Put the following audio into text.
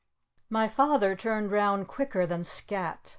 My Father turned round quicker than scat.